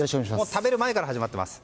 食べる前から始まっています。